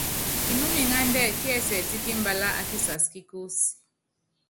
Kinúmiŋándɛ́ kiɛsiɛtɛ́k mbalá a kikas kí kúsí.